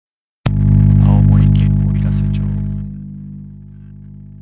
青森県おいらせ町